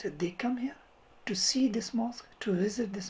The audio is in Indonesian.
untuk melihat masjid ini untuk mengunjungi masjid ini